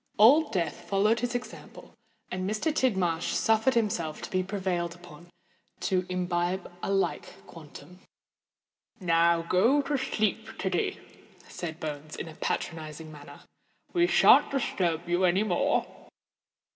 Old Death followed his example; and Mr. Tidmarsh suffered himself to be prevailed upon to imbibe a like quantum. "Now, go to sleep, Tiddy," said Bones, in a patronising manner. "We shan't disturb you any more."